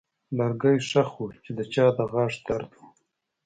لرګی ښخ و چې د چا غاښ درد و.